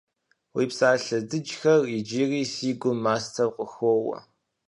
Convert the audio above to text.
Уи псалъэ дыджхэр иджыри си гум мастэу къыхоуэ.